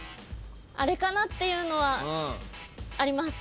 あれかなっていうのはあります。